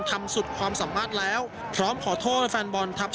ทำสุดความสามารถแล้วพร้อมขอโทษแฟนบอลครับ